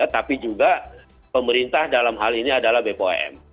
tapi juga pemerintah dalam hal ini adalah bpom